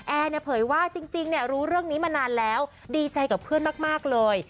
แอร์เนี่ยเผยว่าจริงรู้เรื่องนี้มานานแล้วดีใจกับเพื่อนมากเลย